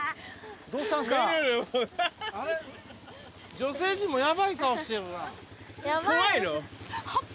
女性陣もヤバい顔してるな。